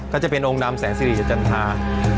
ก็จะเป็นองค์ดำแสงสิริจันทรา